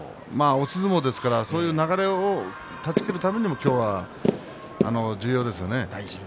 押し相撲ですから流れを断ち切るために今日は重要ですよね。